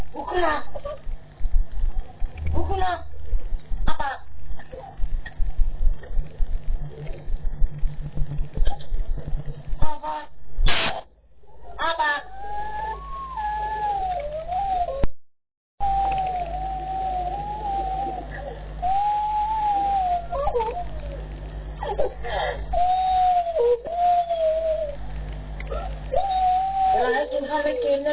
นี่ค่ะคนที่นั่งที่มีรอยสักที่แข็งคือคือแม่